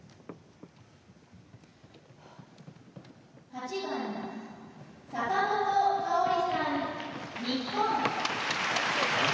「８番坂本花織さん日本」